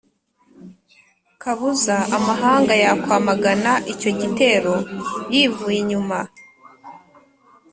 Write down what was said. kabuza amahanga yakwamagana icyo gitero yivuye inyuma.